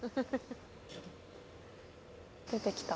出て来た。